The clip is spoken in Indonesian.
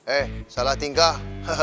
eh salah tingkah